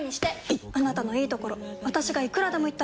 いっあなたのいいところ私がいくらでも言ってあげる！